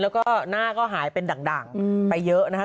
แล้วก็หน้าก็หายเป็นดั่งไปเยอะนะครับ